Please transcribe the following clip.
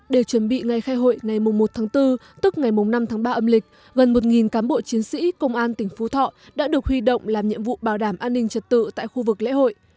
để chuẩn bị ngày khai hội ngày một tháng bốn tức ngày năm tháng ba âm lịch gần một cán bộ chiến sĩ công an tỉnh phú thọ đã được huy động làm nhiệm vụ bảo đảm an ninh trật tự tại khu vực lễ hội